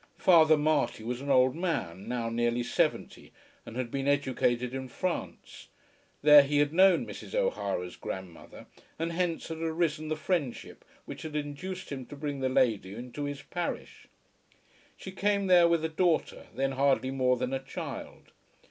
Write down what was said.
Father Marty was an old man, now nearly seventy, and had been educated in France. There he had known Mrs. O'Hara's grandmother, and hence had arisen the friendship which had induced him to bring the lady into his parish. She came there with a daughter, then hardly more than a child.